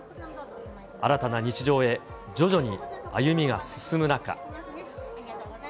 新たな日常へ、徐々に歩みが進む中。